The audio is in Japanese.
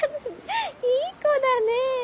いい子だね。